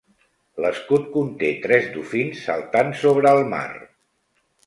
L'escut conté tres dofins saltant sobre el mar.